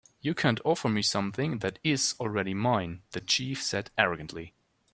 "You can't offer me something that is already mine," the chief said, arrogantly.